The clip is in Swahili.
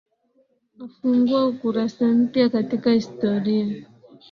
afungua ukurasa mpya katika historia